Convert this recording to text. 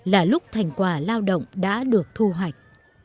là lúc thành quả lao động đã được thu hoạch